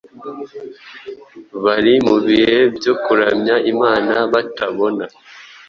bari mu bihe byo kuramya Imana batabona